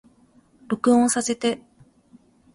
録音させて